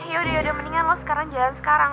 yaudah yaudah mendingan lo jalan sekarang